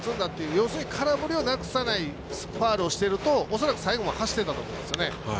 要するに空振りをなくさないファウルをしていると恐らく、最後は走ってたと思うんですよね。